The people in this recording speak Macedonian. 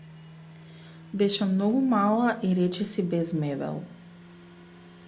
Беше многу мала и речиси без мебел.